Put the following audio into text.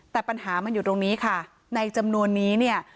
แต่ปัญหามันอยู่ตรงนี้ค่ะในจำนวนนี้เนี่ย